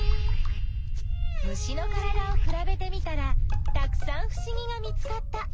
虫のからだをくらべてみたらたくさんふしぎが見つかった。